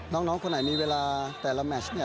น้องคนไหนมีเวลาแต่ละแมช